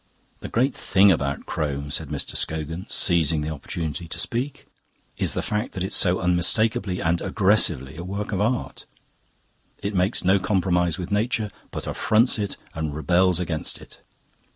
"The great thing about Crome," said Mr. Scogan, seizing the opportunity to speak, "is the fact that it's so unmistakably and aggressively a work of art. It makes no compromise with nature, but affronts it and rebels against it.